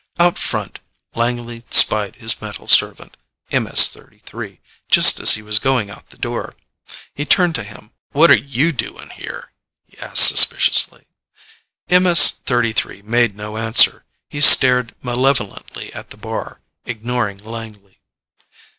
Out front, Langley spied his metal servant, MS 33, just as he was going out the door. He turned to him. "What are you doing here?" he asked suspiciously. MS 33 made no answer. He stared malevolently at the bar, ignoring Langley.